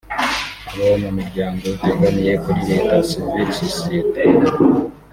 abo mu miryango itegamiye kuri leta (Civil Society)